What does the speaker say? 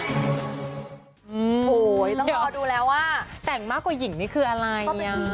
โอ้โหต้องรอดูแล้วว่าแต่งมากกว่าหญิงนี่คืออะไร